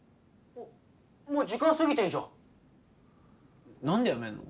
もう時間過ぎてんじゃん。何で辞めんの？